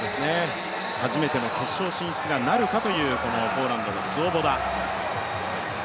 初めての決勝進出なるかという、ポーランドのスウォボダ。